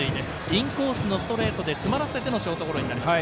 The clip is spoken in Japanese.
インコースのストレートで詰まらせてのショートゴロになりました。